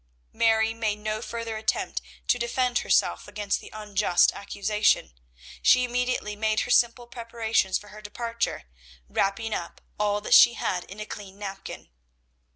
Mary made no further attempt to defend herself against the unjust accusation. She immediately made her simple preparations for her departure, wrapping up all that she had in a clean napkin.